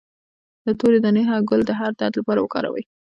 د تورې دانې ګل د هر درد لپاره وکاروئ